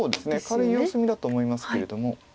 軽い様子見だと思いますけれども。